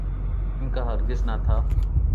ان کا ہرگز نہ تھا۔